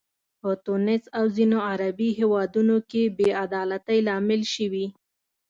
په تونس او ځینو عربي هیوادونو کې بې عدالتۍ لامل شوي.